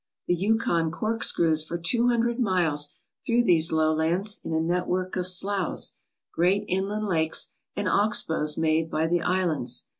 The Yukon corkscrews for two hundred miles through these lowlands in a network of sloughs, great inland lakes, and ox bows made by the islands.